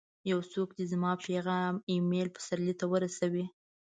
یو څوک دي زما پیغام اېمل پسرلي ته ورسوي!